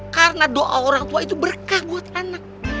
karena doa orang tua itu berkah buat anak